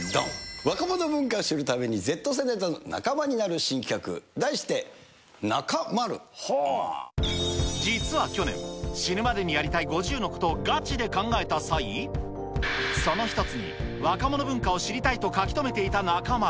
若者文化を知るためにＺ世代と仲実は去年、死ぬまでにやりたい５０のことをガチで考えた際、その１つに、若者文化を知りたいと書き留めていた中丸。